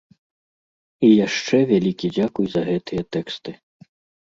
І яшчэ вялікі дзякуй за гэтыя тэксты.